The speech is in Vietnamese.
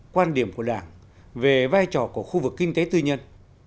quan điểm của đảng về vai trò của khu vực kinh tế tư nhân